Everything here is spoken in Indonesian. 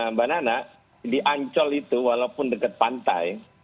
mbak nana di ancol itu walaupun dekat pantai